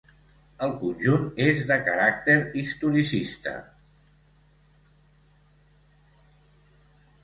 El conjunt és de caràcter historicista.